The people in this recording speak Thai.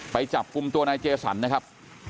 ไปจับกลุ่มตัวนายเจสันนะครับ